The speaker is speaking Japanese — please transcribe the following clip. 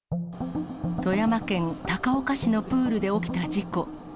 富山県高岡市のプールで起きた事故。